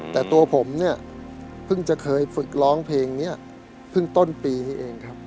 แต่ตัวผมเนี่ยเพิ่งจะเคยฝึกร้องเพลงนี้เพิ่งต้นปีนี้เองครับ